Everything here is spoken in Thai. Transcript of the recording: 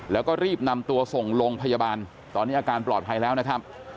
แล้วก็รีบนำตัวส่งลงพยาบาลตอนนี้อาการปลอดภัยแล้วนะครับ